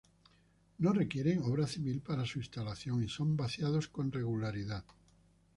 No requieren obra civil para su instalación y son vaciados con regularidad.